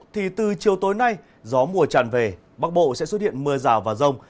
thì từ chiều tối nay gió mùa tràn về bắc bộ sẽ xuất hiện mưa rào và rông